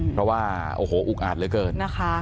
เพราะว่าโอ้โหอุ๊กอาดเหลือเกิน